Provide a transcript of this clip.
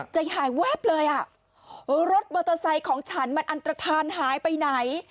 ใจหายแวบเลยอ่ะรถมอเตอร์ไซค์ของฉันมันอันตรฐานหายไปไหน